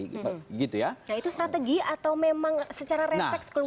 nah itu strategi atau memang secara refleks keluar dari